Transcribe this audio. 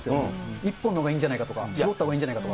一本のほうがいいんじゃかとか絞ったほうがいいんじゃないかとか。